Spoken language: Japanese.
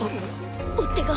追っ手が！